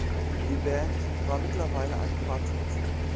Die Band war mittlerweile ein Quartett.